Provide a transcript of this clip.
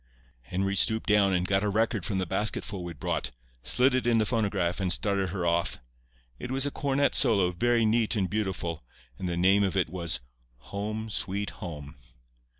"Henry stooped down and got a record from the basketful we'd brought, slid it in the phonograph, and started her off. It was a cornet solo, very neat and beautiful, and the name of it was 'Home, Sweet Home.